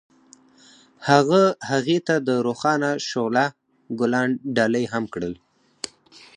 هغه هغې ته د روښانه شعله ګلان ډالۍ هم کړل.